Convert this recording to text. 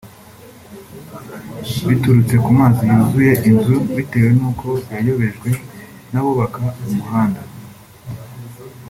biturutse ku mazi yuzuye inzu bitewe n’uko yayobejwe n’abubaka umuhanda